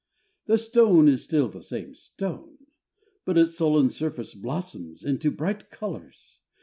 The stone is still the same stone ; but its sullen surface blossoms out into bright colours.